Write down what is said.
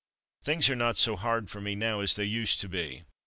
Things are not so hard for me now as they used to be.